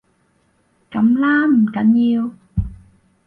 噉啦，唔緊要